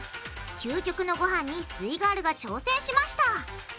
究極のごはんにすイガールが挑戦しました。